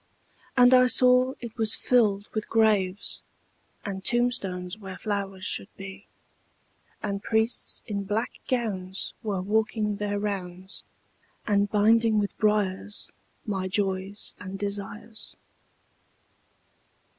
And I saw it was filled with graves, And tombstones where flowers should be; And priests in black gowns were walking their rounds, And binding with briars my joys and desires.